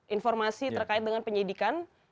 informasi terkait dengan penyelidikan